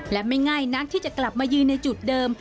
และไม่ง่ายนักที่จะกลับมายืนในจุดเดิม